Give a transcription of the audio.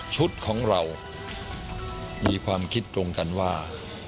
ชุดของเรามีความคิดตรงกันว่า